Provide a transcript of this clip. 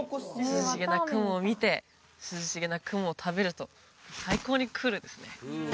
涼しげな雲を見て涼しげな雲を食べると最高にクールですね